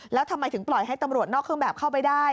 แล้วทำไมถึงปล่อยให้ตำรวจนอกเครื่องแบบเข้าไปได้